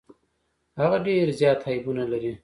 هغه ډیر زيات عيبونه لري.